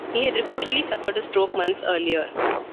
He had reportedly suffered a stroke months earlier.